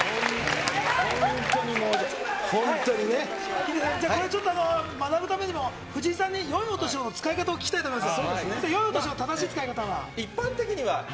ヒデさん、これちょっと、学ぶためにも、藤井さんに、よいお年をの使い方を聞きたいと思います。